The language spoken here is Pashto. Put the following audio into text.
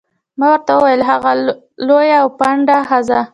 ما ورته وویل: هغه لویه او پنډه ښځه.